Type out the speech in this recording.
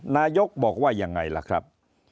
นายกบอกว่ายังไงล่ะครับ